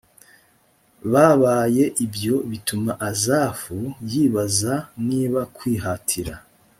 babaye ibyo bituma asafu yibaza niba kwihatira